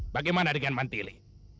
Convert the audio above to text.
bagaimana dengan mantili